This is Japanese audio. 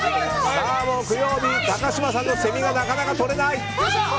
木曜日、高嶋さんのセミがなかなか取れない！